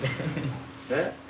えっ。